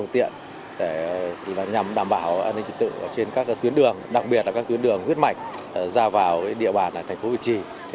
trên các tuyến đường đặc biệt là các tuyến đường huyết mạch ra vào địa bàn thành phố huyện trì